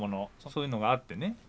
そういうのがあってね。